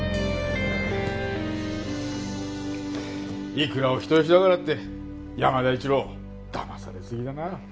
いくらお人よしだからって山田一郎騙されすぎだな。